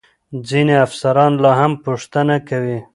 ځینې افسران لا هم پوښتنه کوي.